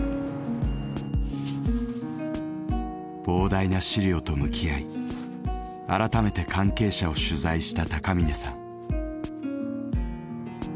膨大な資料と向き合い改めて関係者を取材した高峰さん。